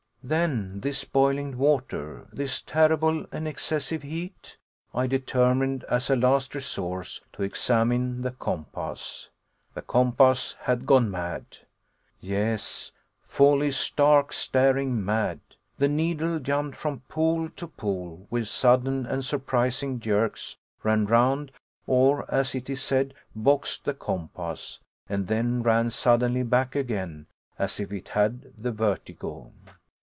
Then this boiling water, this terrible and excessive heat? I determined as a last resource to examine the compass. The compass had gone mad! Yes, wholly stark staring mad. The needle jumped from pole to pole with sudden and surprising jerks, ran round, or as it is said, boxed the compass, and then ran suddenly back again as if it had the vertigo.